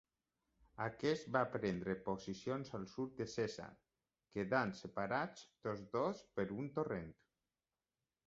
Aquest va prendre posicions al sud de Cèsar, quedant separats tots dos per un torrent.